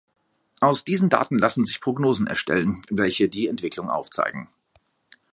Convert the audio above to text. Aus diesen Daten lassen sich Prognosen erstellen, welche die Entwicklung aufzeigen.